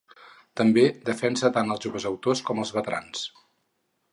També defensa tant els joves autors com els veterans.